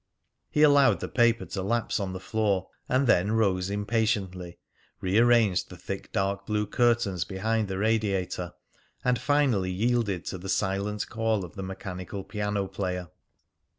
He allowed the paper to lapse on to the floor, and then rose impatiently, rearranged the thick dark blue curtains behind the radiator, and finally yielded to the silent call of the mechanical piano player.